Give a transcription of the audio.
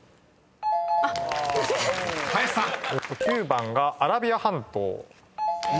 ９番がアラビア半島。